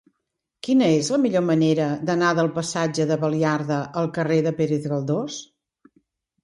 Quina és la millor manera d'anar del passatge de Baliarda al carrer de Pérez Galdós?